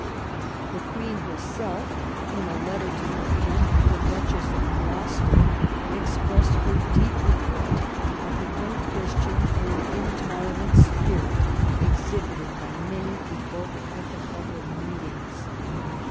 The Queen herself, in a letter to her aunt, the Duchess of Gloucester, expressed her deep regret at the " unchristian and intolerant spirit exhibited by many people at the public meet ings."